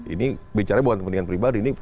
ini bicara bukan kepentingan pribadi ini